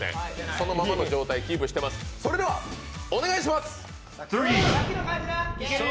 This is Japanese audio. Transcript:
そのままの状態をキープしています、お願いします！